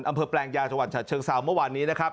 อำเภอแปลงยาจังหวัดชาติเชิงสาวเมื่อวานนี้นะครับ